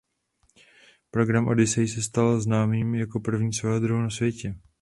Program Odyssey se stal známým jako první svého druhu na světě.